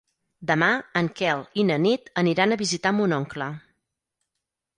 Demà en Quel i na Nit aniran a visitar mon oncle.